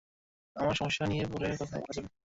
আমার সমস্যা নিয়ে পড়ে কথা বলা যাবে।